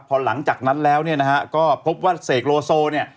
พอหลังจากนั้นแล้วเนี่ยนะฮะก็พบว่าเสกโลโซเนี่ย